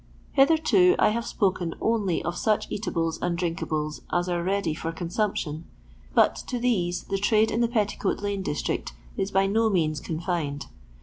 Hitherto I have spoken only of such eatables and drinkables as are ready for consumption, but to these the trade in the Petticoat lane district is by no means confined.